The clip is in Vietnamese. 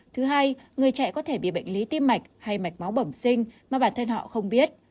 thứ hai người chạy có thể bị bệnh lý tim mạch hay mạch máu bẩm sinh mà bản thân họ không biết